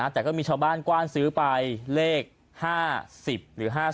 แต่ก็มีชาวบ้านกว้านซื้อไปเลข๕๐หรือ๕๐